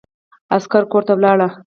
عسکر کورته ولاړ.